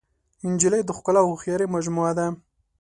نجلۍ د ښکلا او هوښیارۍ مجموعه ده.